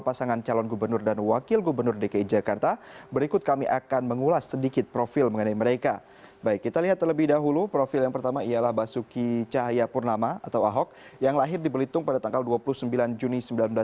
pertama tama profil yang pertama ialah basuki cahaya purnama atau ahok yang lahir di belitung pada tanggal dua puluh sembilan juni seribu sembilan ratus enam puluh enam